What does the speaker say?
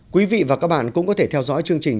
quý vị và các bạn cũng có thể theo dõi chương trình